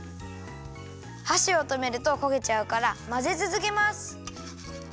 はしをとめるとこげちゃうからまぜつづけます。